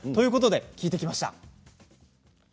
聞いてきました。